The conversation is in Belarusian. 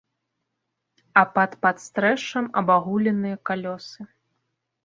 А пад падстрэшшам абагуленыя калёсы.